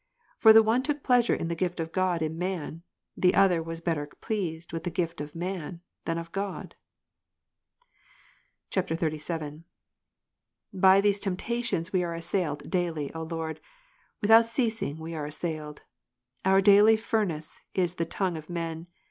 For the one took pleasure in the gift of God in man ; the other was better pleased with the gift of man, than of God. [XXXVIL] 60. By these temptations we are assailed daily, O Lord ; without ceasing are we assailed. Our daily Prov. 27 furnace is the tongue of men.